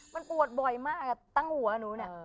มันปวดบ่อยมากกับตั้งหัวหนู